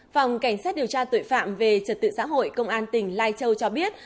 phòng cảnh sát điều tra tội phạm về trật tự xã hội công an tỉnh lai châu cho biết